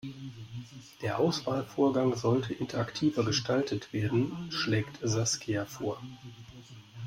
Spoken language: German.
Der Auswahlvorgang sollte interaktiver gestaltet werden, schlägt Saskia vor.